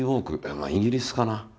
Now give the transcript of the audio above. まあイギリスかな？